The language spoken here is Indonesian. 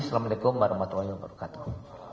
assalamu alaikum warahmatullahi wabarakatuh